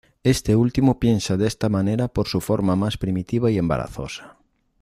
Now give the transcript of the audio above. Este último piensa de esta manera por su "forma más primitiva y embarazosa".